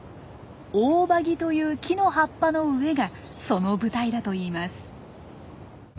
オオバギという木の葉っぱの上がその舞台だといいます。